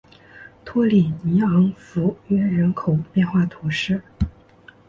托里尼昂弗约人口变化图示